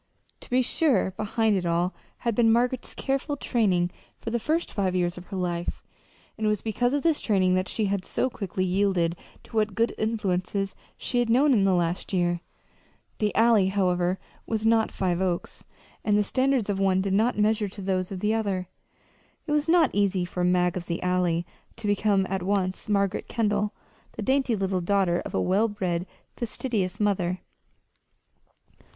To be sure, behind it all had been Margaret's careful training for the first five years of her life, and it was because of this training that she had so quickly yielded to what good influences she had known in the last year. The Alley, however, was not Five Oaks; and the standards of one did not measure to those of the other. It was not easy for "Mag of the Alley" to become at once Margaret Kendall, the dainty little daughter of a well bred, fastidious mother.